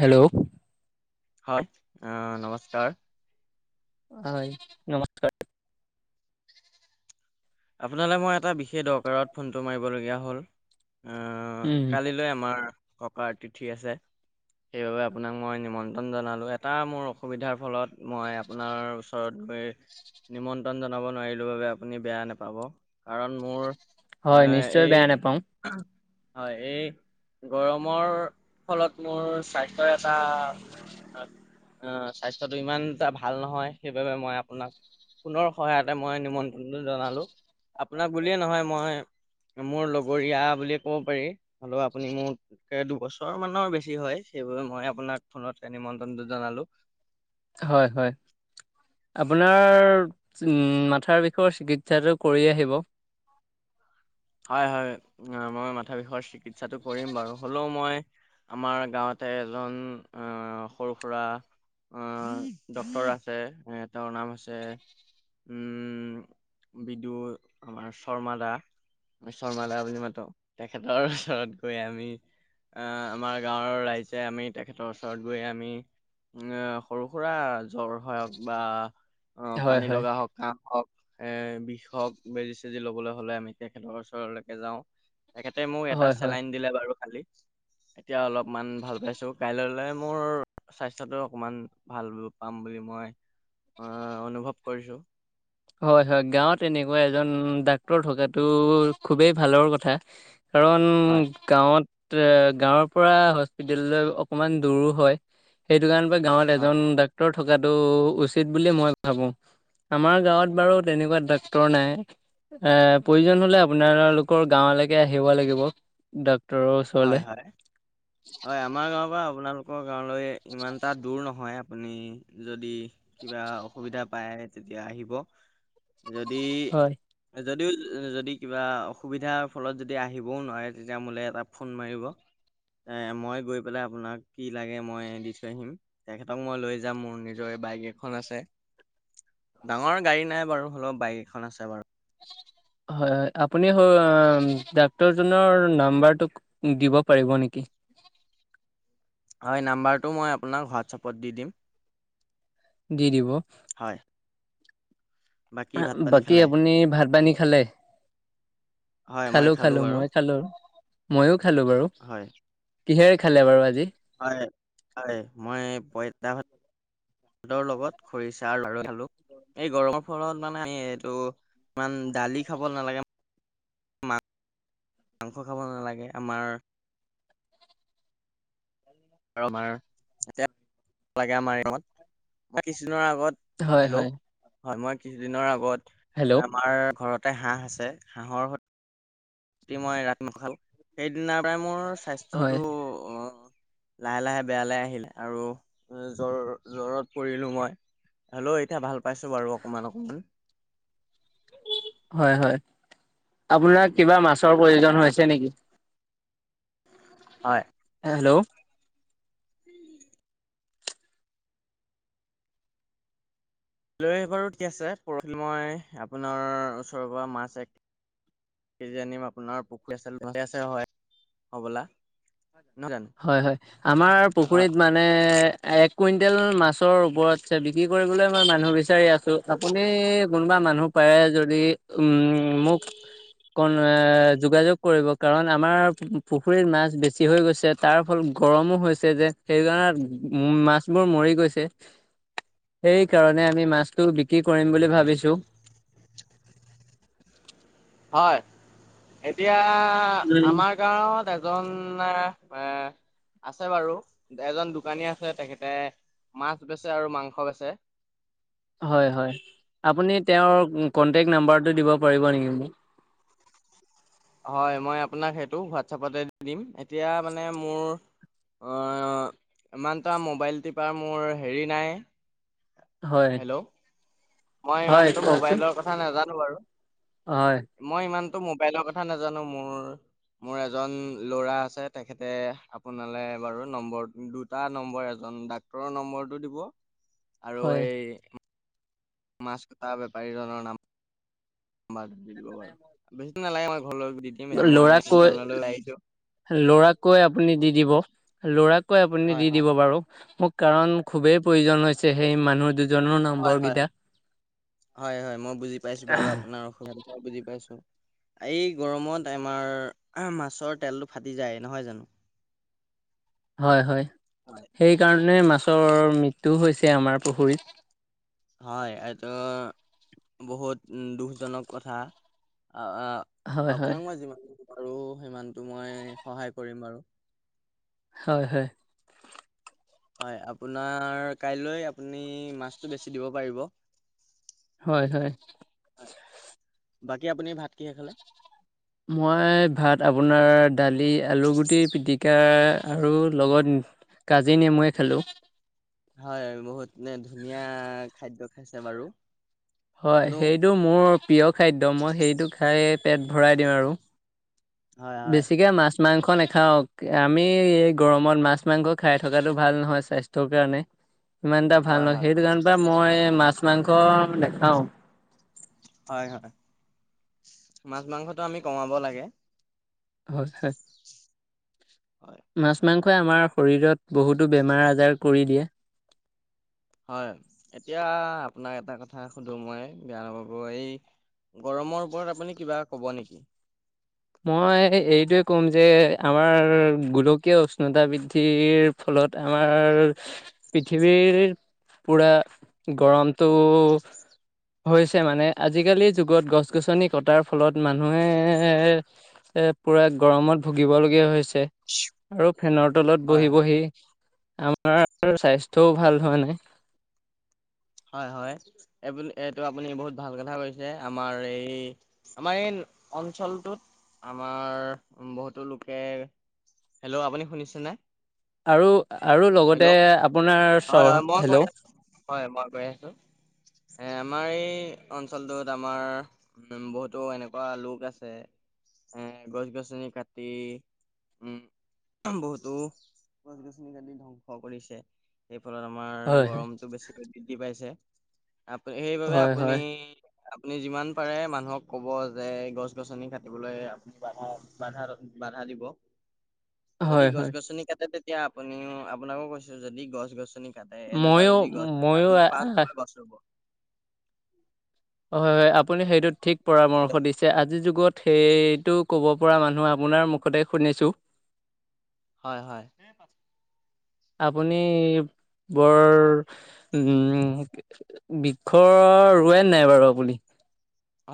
Hello? হয়। অ' নমস্কাৰ হয়, নমচ আপোনালৈ মই এটা বিশেষ দৰকাৰত ফোনটো মাৰিবলগীয়া হ'ল। আহ উম কালিলৈ আমাৰ ককাৰ তিথি আছে। সেইবাবে আপোনাক মই নিমন্ত্ৰ ন জনালোঁ, এটা মোৰ অসুবিধাৰ ফলত মই আপোনাৰ ওচৰত গৈ নিমন্ত্ৰণ জনাব নোৱাৰিলো বাবে আপুনি বেয়া নে পাব কাৰণ মোৰ এ হয় নিশ্চয় এই বেয়া নাপাওঁ হয়, এই গৰমৰ ফলত মোৰ স্বাস্থ্যৰ এটা অ', স্বাস্থ্যতটো ইমান এটা ভাল নহয়, সেইবাবে মই আপোনাক ফোনৰ সহায়তে মই নিমন্ত্ৰণটো জনালো, আপোনাক বুলিয়ে নহয় মই মোৰ লগৰীয়া বুলিয়ে ক'ব পাৰি, হলেও আপুনি মোত কে দুবছৰ মানৰ বেছি হয়, সেইবাবে মই আপোনাক ফোনত নিমন্ত্ৰনটো জনালো। হয়, হয়। আপোনাৰ, মাথাৰ বিষৰ চিকিৎসাটো কৰি আহিব হয়, হয়, মই মাথা বিষৰ চিকিৎসাটো কৰিম বাৰু, হ'লেও মই আমাৰ গাঁৱতে এজন সৰু-সুৰা অ', ডক্তৰ আছে, এ তেওঁৰ নাম হৈছে উম, বিদু আমাৰ শৰ্মা দা। শৰ্মাদা বুলি মাতো, তেখেতৰ ওচৰত গৈ আমি আহ, আমাৰ গাঁৱৰ ৰাইজে আমি তেখেতৰ ওচৰত গৈ আমি এ সৰু-সুৰা জ্বৰ হওক বা অ', হয় পানী হয় লগা হওক, কাহ হওক, এ বিষ হওক, বেজি-চেজি লবলৈ হলে আমি তেখেতৰ ওচৰলৈকে যাওঁ, তেখেতে মোক এটা হয় হয় চেলাইন দিলে বাৰু কালি। এতিয়া অলপমান ভাল পাইছো। কাইলৈলৈ মোৰ স্বাস্থ্যটো অকণমান ভাল পাম বুলি মই অ', অনুভৱ কৰিছো। হয়, হয়, গাঁৱত এনেকুৱা এজন ডাক্তৰ থকাটো খুবেই ভালৰ কথা। কাৰণ হয় গাঁৱত, গাঁৱৰ পৰা হস্পিতাললৈ অকণমান দূৰো হয়। সেইটো কাৰণৰ পৰা গাঁৱত হয় এজন ডাক্তৰ থকাটো উচিত বুলিয়ে মই ভাবোঁ, আমাৰ গাঁৱত বাৰু তেনেকুৱা ডাক্তৰ নাই। এ প্ৰয়োজন হলে আপোনালোকৰ গাঁৱলৈকে আহিব লাগিব, ডাক্তৰৰ হয় ওচৰলে। হয় হয়, আমাৰ গাঁৱৰ পৰা আপোনালোকৰ গাঁৱলৈ ইমানটা দূৰ নহয়, আপুনি যদি কিবা অসুবিধা পায় তেতিয়া আহিব, যদি হয় যদিও যদি কিবা অসুবিধাৰ ফলত যদি আহিবও নোৱাৰে, তেতিয়া মোলে এটা ফোন মাৰিব। এ, মই গৈ পেলাই আপোনাক কি লাগে মই দি থৈ আহিম। তেখেতক মই লৈ যাম মোৰ নিজৰে বাইক এখন আছে। ডাঙৰ গাড়ী নাই বাৰু, হলেও বাইক এখন আছে বাৰু। হয়, হয়, আপুনি ডাক্তৰজনৰ নাম্বাৰটো দিব পাৰিব নেকি? হয়, নাম্বাৰটো মই আপোনাক হোৱাটছআপত দি দিম। দি দিব। হয়। বাকী ভাত পানী বাকী খালে আপুনি ভাত পানী খালে? হয় মই খালো খালোঁ খালো, বাৰু মই খালো, মইও খালো বাৰু, হয় কিহেৰে খালে বাৰু আজি? হয়, হয়, মই পইতা ভাত ৰ লগত খৰিচা আৰু [unintelligible] এই গৰমৰ ফলত মানে, আমি এইটো ইমান দালি খাব নালাগে। মাংস খাব নালাগে আমাৰ আৰু আমাৰ এতিয়া লাগে আমাৰ [unintelligible] কিছুদিনৰ আগত হেল্ল' হয়, মই কিছুদিনৰ আগত হেল্ল' আমাৰ ঘৰত তে হাঁহ আছে, হাঁহৰ অতি মই ৰাত নাখাওঁ, সেইদিনাৰপৰাই মোৰ হয় স্বাস্থ্যটো অ' লাহে লাহে বেয়ালে আহিলে আৰু জ-জ্বৰত পৰিলো মই। হেল্ল' এতিয়া ভাল পাইছোঁ বাৰু অকমান অকমান। হয় হয়। আপোনাৰ কিবা মাছৰ প্ৰয়োজন হৈছে নেকি? হয়। হেল্ল'। লৈ বাৰু ঠিক আছে, পৰহিল মই আপোনাৰ ওচৰৰপৰা মাছ এক কেজি আনিম আপোনাৰ পুখুৰী আছে, ঠিকে আছে হয়, হ'বলা। নহয় জানো হয় হয়। আমাৰ হয়। পুখুৰীত মা মানে এক কুইণ্টেল মাছৰ ওপৰত আছে, বিক্ৰী কৰিবলৈ মই মানুহ বিচাৰি আছোঁ। আপুনি কোনোবা মানুহ পাৰে যদি উম, মোক কন এ, যোগাযোগ কৰিব কাৰণ আমাৰ পুখুৰীত মাছ বেছি হৈ গৈছে। তাৰফল গৰমো হৈছে যে সেইকাৰণে উ, মাছবোৰ মৰি গৈছে। সেইকাৰণে আমি মাছটো বিক্ৰী কৰিম বুলি ভাবিছোঁ। হয়, এতিয়া উম আমাৰ গাঁৱত এজন এ আছে বাৰু, এজন দোকানী আছে তেখেতে মাছ বেচে আৰু মাংস বেচে। হয় হয়। আপুনি তেওঁৰ কণ্টেক্ট নাম্বাৰটো দিব পাৰিব নেকি মোক? হয়, মই আপোনাক সেইটো হোৱাটছআপতে দি দিম। এতিয়া মানে মোৰ অ' ইমানটা মোবাইল টিপা মোৰ হেৰি নাই। হয়। হেল্ল' মই হয় ইমানটো কওকচোন মোবাইলৰ কথা নাজানো বাৰু। হয় মই ইমানটো মোবাইলৰ কথা কথা নাজানো মোৰ। মোৰ এজন ল'ৰা আছে তেখেতে আপোনালৈ বাৰু নম্বৰ দুটা, নম্বৰ এজন ডাক ৰৰ নম্বৰটো দিব আৰু হয় এই মাছ কটা বেপাৰীজনৰ নাম বাৰ দিব বাৰু। বেছি টাইম নালাগে মই ঘৰলৈ দিম, মই দোকানলৈ লৈ আহিছোঁ। ল'ৰাককৈ আপুনি দি দিব। ল'ৰাককৈ আপুনি হয় দি হয় দিব বাৰু মোক। কাৰণ খুবেই প্ৰয়োজন হৈছে সেই মানুহ দু হয় হয়। হয় হয়, মই বুজি পাইছোঁ বাৰু আপোনাৰ অসুবিধাটো বুজি পাইছোঁ। এই গৰমত আমাৰ মাছৰ তেলটো ফাটি যায় নহয় জানো? হয় হয়, সেইকাৰণে মাছৰ মৃত্যুও হৈছে আমাৰ পুখুৰীত। হয় এইটো বহুত দুখজনক কথা। আ হয় হয় আপোনাক মই যিমান পাৰোঁ সিমানটো মই সহায় কৰিম বাৰু। হয় হয়। হয়, আপোনাৰ কাইলৈ আপুনি মাছটো বেচি দিব পাৰিব। হয় হয়। হয়। বাকী আপুনি ভাত কিহেৰে খালে? মই ভাত আপোনাৰ দালি, আলুগুটিৰ পিটিকা আৰু লগত কাজি নেমুৱে খেলোঁ। হয় বহুত নে ধুনীয়া খাদ্য খাইছে বাৰু। হয় হ'লেও সেইটো মোৰ প্ৰিয় খাদ্য, মই সেইটো খাই পেট ভৰাই দিওঁ আৰু। হয় হয়। বেছিকে মাছ মাংস নাখাওঁ, আমি এই গৰমত মাছ মাংস খাই থকাটো ভাল নহয় স্বাস্থ্যৰ কাৰণে। [inaudible] ইমান এটা ভাল হয় নহয়, হয় সেইটোকাৰনৰপৰা মই মাছ মাংস নেখাওঁ। হয় হয়, মাছ মাংসটো আমি কমাব লাগে। হয় হয়। হয়। মাছ মাংসই আমাৰ শৰীৰত বহুতো বেমাৰ আজাৰ কৰি দিয়ে। হয়, এতিয়া আপোনাক এটা কথা সুধো মই, বেয়া নাপাব, এই গৰমৰ ওপৰত আপুনি কিবা ক'ব নেকি? মই এইটোৱে ক'ম যে আমাৰ গোলকীয় উষ্ণতা বৃদ্ধিৰ ফলত আমাৰ পৃথিৱীৰ, পূৰা গৰমটো হৈছে মানে, আজিকালিৰ যুগত গছ-গছনি কটাৰ ফলত মানুহে পূৰা গৰমত ভুগিবলগীয়া হৈছে। আৰু ফেনৰ তলত হয় বহি বহি আমাৰ স্বাস্থ্যও ভাল হোৱা নাই। হয়, হয়, এই এইটো আপুনি বহুত ভাল কথা কৈছে। আমাৰ এই আমাৰ এই অঞ্চলটোত, আমাৰ বহুতো লোকে হেল্ল', আপুনি শুনিছেনে? আৰু, আৰু লগতে হেল্ল' আপোনাৰ চ হয় হয় মই কৈ হেল্ল', আছো হয়, মই গৈ আছো, এ আমাৰ এই অঞ্চলটোত আমাৰ উম, বহুতো এনেকুৱা লোক আছে এ গছ-গছনি কাটি উম, বহুতো গছ-গছনি কাটি ধং স কৰিছে, সেই ফলত আমাৰ হয় হয়। গৰমতটো বেছিকৈ বৃদ্ধি পাইছে। আপ, সেইবাবে হয় আপুনি হয় আপুনি যিমান পাৰে মানুহক ক'ব যে গছ গছনি কাটিবলৈ বাধা, বাধা, বাধা, দিব। যদি হয় হয় গছ-গছনি কাটে, তেতিয়া আপুনিও আপোনাকো কৈছো যদি গছ-গছনি কাটে, এজোপা ময়ো যদি গছ কাটে, ময়ো আপুনি পাঁচজোপা গছ ৰুব। হয়, হয়, আপুনি সেইটো ঠিক হেল্ল' পৰামৰ্শ দিছে। এতিয়া আজিৰ যুগত সেইটো ক'ব পৰা মানুহ আপোনাৰ মুখতে শুনিছোঁ। হয়, হয়। আপুনি বৰ উ বৃক্ষ ৰোৱে নে নাই বাৰু আপুনি?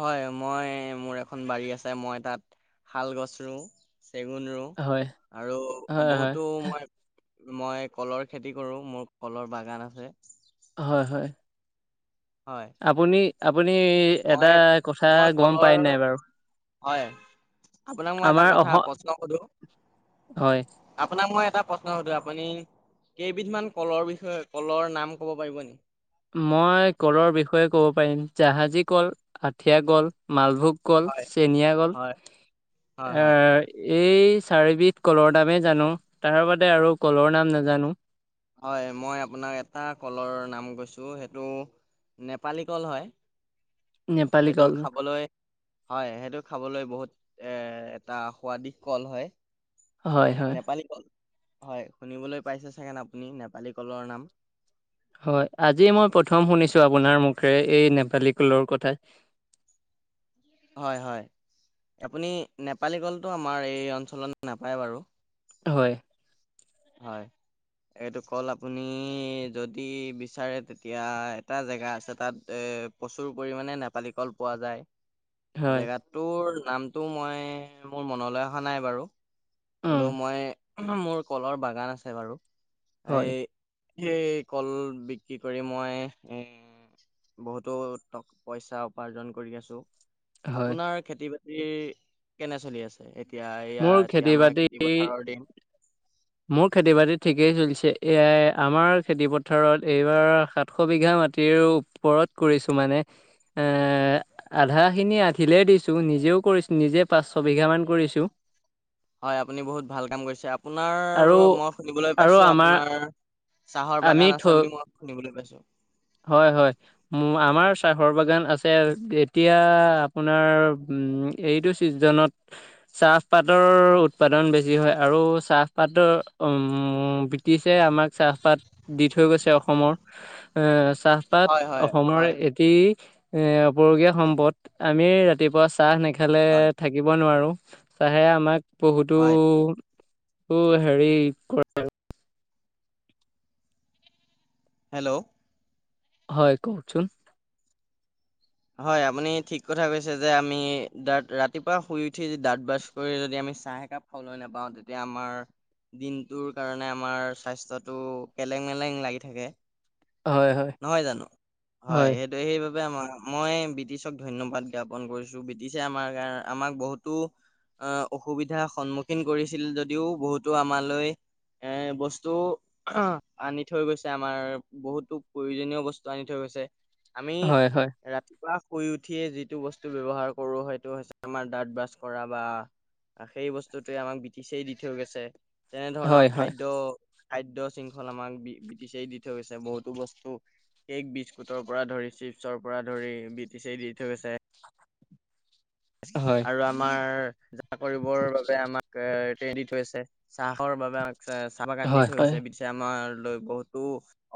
হয়, মই মোৰ এখন বাৰী আছে, মই তাত শাল গছ ৰুওঁ, চেগুন ৰুওঁ। হয় আৰু হয় হয় বহুতো মই মই কলৰ খেতি কৰো, মোৰ কলৰ বাগান আছে। হয়, হয়। হয়। আপুনি, আপুনি এটা মই কথা মই গম কলৰ পাই নে নাই বাৰু? হয়, আপোনাক মই এটা আমাৰ কথা অসম প্ৰশ্ন সোধো। হয়। আপোনাক মই এটা প্ৰশ্ন সুধো, আপুনি কেইবিধমান কলৰ বিষয়ে, কলৰ নাম ক'ব পাৰিব নেকি? মই কলৰ বিষয়ে ক'ব পাৰিম, জাহাজী কল, আঠিয়া কল, মালভোগ কল, হয় চেনিয়া কল হয় হয় এ হয়। এই চাৰি বিধ কলৰ নামেই জানো, তাৰ বাদে আৰু কলৰ নাম নাজানো। হয়, মই আপোনাক এটা কলৰ নাম কৈছোঁ, সেইটো নেপালী কল হয়। নেপালী সেইটো কল খাবলৈ হয়, সেইটো খাবলৈ বহুত এ এটা সোৱাদিশ কল হয়। হয় হয় নেপালী কল, হয়, শুনিবলৈ পাইছে চাগে আপুনি নেপালী কলৰ নাম। হয়, আজি মই প্ৰথম শুনিছো আপোনাৰ মুখেৰে এই নেপালী কলৰ কথা। হয়, হয়, আপুনি নেপালী কলটো আমাৰ এই অঞ্চলত নাপায় বাৰু। হয়। হয়। এইটো ক'ল আপুনি যদি বিচাৰে তেতিয়া এটা জেগা আছে, তাত প্ৰচুৰ পৰিমাণে নেপালী কল পোৱা যায়। হয় জেগাটোৰ নামটো মই, মোৰ মনলৈ অহা নাই বাৰু। হ'লো উম মই মোৰ কলৰ বাগান আছে বাৰু হয় এই। সেই কল বিক্ৰী কৰি মই এ বহুতো টক পইচা উপাৰ্জন কৰি আছোঁ। হয় আপোনাৰ খেতি বাতি। কেনে চলি আছে এতিয়া এয়া মোৰ খেতি এতিয়া আমাৰ বাতি খেতি পথাৰৰ দিন। মোৰ খেতি বাতিত ঠিকেই চলিছে এয়াই আমাৰ খেতি পথাৰত এইবাৰ সাতশ বিঘা মাটিৰ ও পৰত কৰিছোঁ মানে এ আধাখিনি আধিলে দিছোঁ নিজেও কৰিছোঁ নিজে পাঁচশ বিঘামান কৰিছোঁ। হয় আপুনি বহুত ভাল কাম কৰিছে। [unintelligible] আপোনাৰ আৰু মই শুনিবলৈ আৰু পাইছোঁ আমাৰ আপোনাৰ চাহৰ আমি বাগান থ আছে বুলি মই শুনিবলৈ পাইছোঁ। হয় হয়। আমাৰ চাহৰ বাগান আছে এতিয়া আপোনাৰ উম। এইটো ছিজনত। চাহপাতৰ উৎপাদন বেছি হয় আৰু চাহপাতৰ উম বৃ টিছে আমাক চাহপাত দি থৈ গৈছে অসমৰ। এ চাহপাত হয়, হয়, অসমৰ হয়, এটি। এ আপুৰুগীয়া সম্পদ আমি ৰাতিপুৱা চাহ নেখালে হয়, থাকিব নোৱাৰো। চাহে আমাক বহুতো হয়, হেৰি কৰ হেল্ল'। হয় কওঁকচোন। হয় আপুনি ঠিক কথা কৈছে যে আমি দাঁত ৰাতিপুৱা শুই উঠি দাঁত ব্ৰাছ কৰি যদি আমি চাহ একাপ। খাবলৈ নাপাওঁ তেতিয়া আমাৰ। দিনটোৰ কাৰণে আমাৰ স্বাস্থ্যটো কেলেং মেলেং লাগি থাকে। হয় হয়। নহয় জানো হয় সেই [unintelligible] সেইবাবে [unintelligible] মই ব্ৰিটিছক ধন্যবাদ জ্ঞাপন কৰিছোঁ ব্ৰিটিছে আমাৰ কাৰণ আমাক বহুতো। আহ অসুবিধাৰ সন্মুখীন কৰিছিল যদিও বহুতো আমালৈ। এ বস্তু আনি থৈ গৈছে আমাৰ বহুতো প্ৰয়োজনীয় বস্তু আনি থৈ গৈছে আমি হয় হয় ৰাতিপুৱা। শুই উঠিয়ে যিটো বস্তু ব্যৱহাৰ কৰোঁ সেইটো হৈছে আমাৰ দাঁত ব্ৰাছ কৰা বা। সেই বস্তুটোৱে আমাক ব্ৰিটিছেই দি থৈ গৈছে। তেনেধৰণৰ হয় হয় খাদ্য, খাদ্য শৃংখল আমাক ব্ৰিটিছেই দি থৈ গৈছে বহুতো বস্তু। কেক বিস্কুটৰ পৰা ধৰি চিপছৰ পৰা ধৰি ব্ৰিটিছেই দি থৈ গৈছে। [inaudible] হয় আৰু আমাৰ। [unintelligible] কৰিবৰ বাবে আমাক [unintelligible] থৈছে চাহৰ বাবে [unintelligible] [unintelligible] বাগান দি হয় থৈ গৈছে। [unintelligible] আমাৰ লৈ বহুতো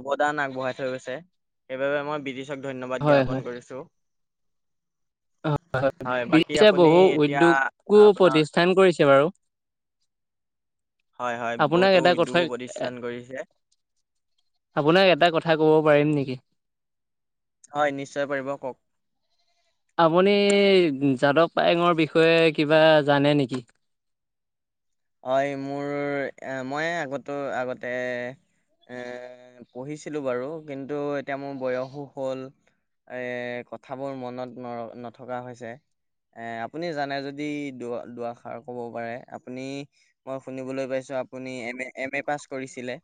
অৱদান আগবঢ়াই থৈ গৈছে সেইবাবে আমাৰ ব্ৰিটিছ [unintelligible] ধন্যবাদ হয় হয় হয় জ্ঞাপন কৰিছোঁ। হয় হয় বাকী ব্ৰিটিছে আপুনি বহু এতিয়া উদ্যোগো আপোনাৰ প্ৰতিষ্ঠান কৰিছে বাৰু। হয়, হয় আপোনাক বহুতো এটা কথা উদ্যোগো প্ৰতিষ্ঠান কৰিছে। আপোনাক এটা কথা ক'ব পাৰিম নেকি। হয় নিশ্চয় পাৰিব কওঁক। আপুনি যাদৱ পায়েঙৰ বিষয়ে কিবা জানে নেকি। হয় মোৰ এ মই আগতো আগতে। এ পঢ়িছিলোঁ বাৰু কিন্তু এতিয়া মোৰ বয়সো হ'ল। এ কথাবোৰ মনত নৰ নথকা হৈছে। আপুনি জানে যদি দু য়া দু-এষাৰ ক'ব পাৰে আপুনি। মই শুনিবলৈ পাইছোঁ আপুনি M A, M A pass কৰিছিলে।